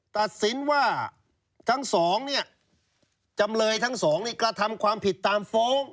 ตัดสินว่าทั้งสองเนี่ยจำเลยทั้งสองนี่กระทำความผิดตามฟ้อง